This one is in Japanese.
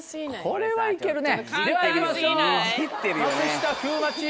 これはいけるね。